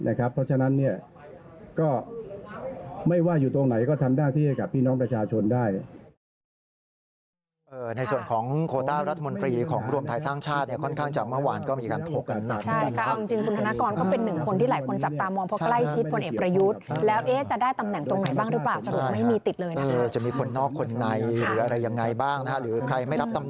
เพราะฉะนั้นก็ไม่ว่าอยู่ตรงไหนก็ทำหน้าที่ให้กับพี่น้องประชาชนได้